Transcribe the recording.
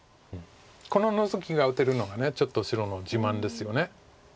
このノゾキが打てるのがちょっと白の自慢ですよね。